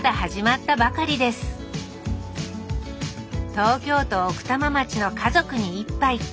東京都奥多摩町の「家族に一杯」